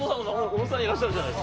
小野さんいらっしゃるじゃない。